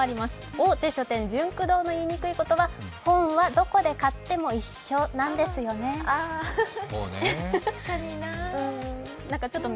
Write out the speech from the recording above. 大手書店ジュンク堂のいいにくいことは本はどこで買っても一緒なんですよねと。